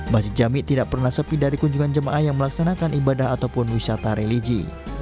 masjid jami tidak pernah sepi dari kunjungan jemaah yang melaksanakan ibadah ataupun wisata religi